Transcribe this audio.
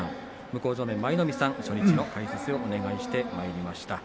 向正面、舞の海さん初日の解説をお願いしてまいりました。